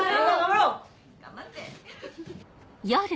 頑張って！